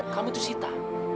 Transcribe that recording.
kamu itu sita